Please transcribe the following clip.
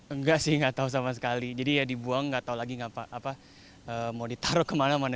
enggak sih nggak tahu sama sekali jadi ya dibuang nggak tahu lagi mau ditaruh kemana mana